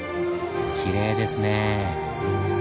きれいですねぇ。